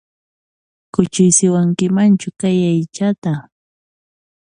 Kuchuysiwankimanchu kay aychata?